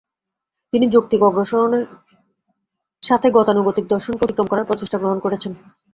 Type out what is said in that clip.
তিনি যৌক্তিক অগ্রসরণের সাথে গতানুগতিক দর্শনকে অতিক্রম করার প্রচেষ্টা গ্রহণ করেছেন।